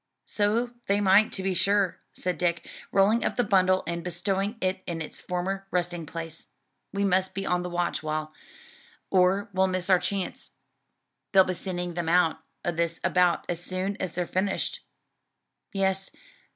"So they might, to be sure," said Dick, rolling up the bundle and bestowing it in its former resting place. "We must be on the watch, Wal, or we'll miss our chance; they'll be sending them out o' this about as soon as they're finished." "Yes.